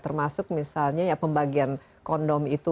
termasuk misalnya ya pembagian kondom itu